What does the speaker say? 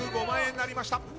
１０５万円になりました。